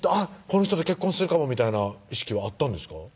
この人と結婚するかもみたいな意識はあったんですか？